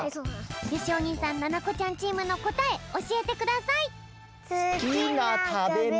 よしお兄さんななこちゃんチームのこたえおしえてください！